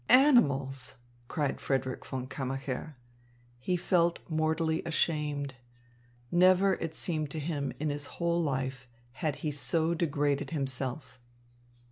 "Animals!" cried Frederick von Kammacher. He felt mortally ashamed. Never, it seemed to him, in his whole life had he so degraded himself.